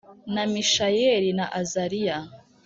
na Mishayeli na Azariya